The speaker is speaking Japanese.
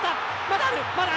まだある。